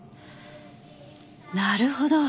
なるほど。